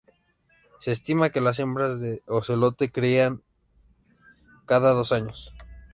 Se estima que las hembras de ocelote crían cada dos años.